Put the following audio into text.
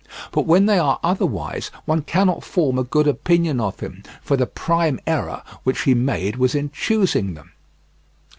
But when they are otherwise one cannot form a good opinion of him, for the prime error which he made was in choosing them.